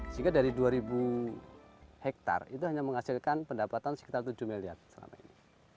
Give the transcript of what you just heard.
sehingga dari dua ribu hektare itu hanya menghasilkan pendapatan sekitar tujuh miliar selama ini